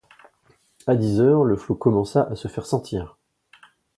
À dix heures, le flot commença à se faire sentir.